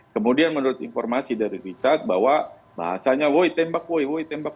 kemudian menurut informasi dari richard bahwa bahasanya woy tembak woy woy tembak